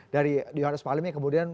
dari d h palem yang kemudian